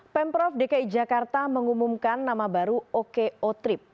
pemprov dki jakarta mengumumkan nama baru oko trip